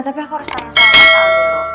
tapi aku harus saran sarankan sama al dulu